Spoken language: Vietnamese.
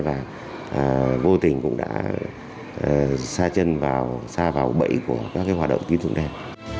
và vô tình cũng đã xa chân vào xa vào bẫy của các hoạt động tín dụng đen